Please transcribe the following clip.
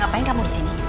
ngapain kamu disini